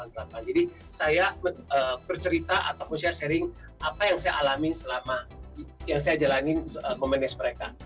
jadi saya bercerita ataupun saya sharing apa yang saya alami selama yang saya jalanin memanage mereka